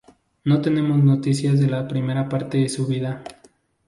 No tenemos noticias de la primera parte de su vida.